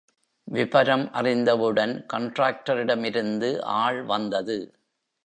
விபரம் அறிந்தவுடன் கண்ட்ராக்டரிடமிருந்து ஆள் வந்தது.